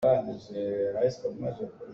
Mah thing hi na phet kho lai maw?